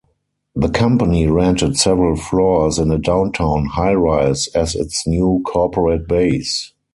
The company rented several floors in a downtown high-rise as its new corporate base.